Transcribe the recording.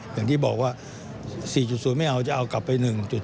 อย่างที่บอกว่า๔๐ไม่เอาจะเอากลับไป๑๔